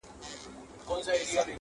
• ګلدستې یې جوړوو د ګرېوانونو -